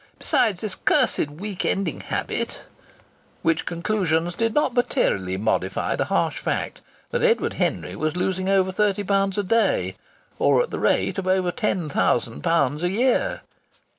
Besides, this cursed week ending habit " Which conclusions did not materially modify the harsh fact that Edward Henry was losing over thirty pounds a day or at the rate of over ten thousand pounds a year.